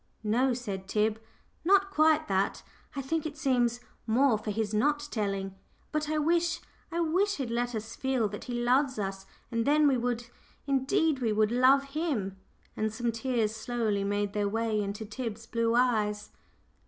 "No," said Tib, "not quite that. I think it seems more for his not telling. But I wish I wish he'd let us feel that he loves us, and then we would, indeed we would, love him;" and some tears slowly made their way into Tib's blue eyes.